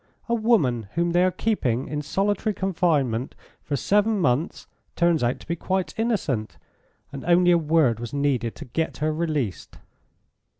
A woman whom they are keeping in solitary confinement for seven months turns out to be quite innocent, and only a word was needed to get her released."